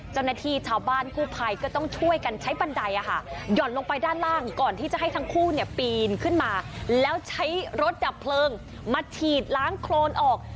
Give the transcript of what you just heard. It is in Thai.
เจ้าหน้าที่ชาวบ้านกู้ภัยก็ต้องช่วยกันใช้บันไดหย่อนลงไปด้านล่างก่อนที่จะให้ทั้งคู่เนี่ยปีนขึ้นมาแล้วใช้รถดับเพลิงมาฉีดล้างโครนออก